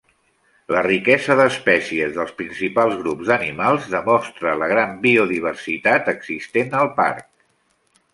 La riquesa d'espècies dels principals grups d'animals demostra la gran biodiversitat existent al Parc.